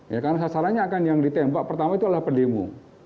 ya karena sasarannya akan yang ditembak pertama itu adalah pendemo